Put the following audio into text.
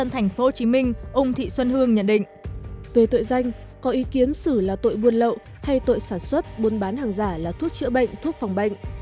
hành vi buôn bán hàng giả là thuốc chữa bệnh thuốc phòng bệnh